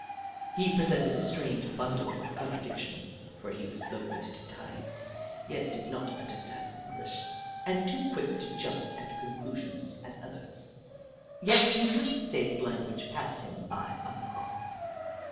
He presented a strange bundle of contra dictions, for he was slow witted at times, yet did not understand English, and too quick to jump at conclusions at others, yet the United 2 20 The Book of Clever Beasts States language passed him by unharmed.